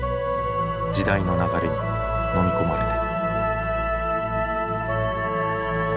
時代の流れに飲み込まれて。